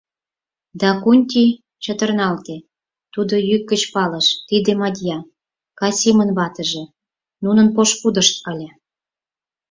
Дакунти чытырналте, тудо йӱк гыч палыш: тиде Мадья, Касимын ватыже, нунын пошкудышт ыле.